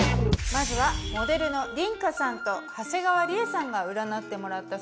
まずはモデルの梨花さんと長谷川理恵さんが占ってもらったそうです。